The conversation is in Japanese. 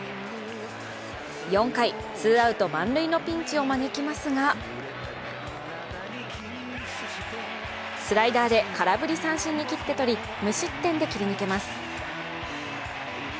４回、ツーアウト満塁のピンチを招きますが、スライダーで空振り三振に切って取り、無失点で切り抜けます。